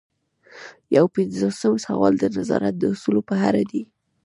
یو پنځوسم سوال د نظارت د اصولو په اړه دی.